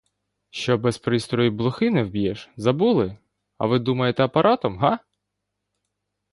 Що без пристрою і блохи не вб'єш, забули, а ви думаєте апаратом, га?